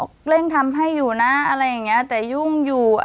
เร่งทำให้อยู่นะอะไรอย่างเงี้ยแต่ยุ่งอยู่